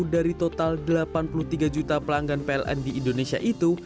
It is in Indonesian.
dari total delapan puluh tiga juta pelanggan pln di indonesia itu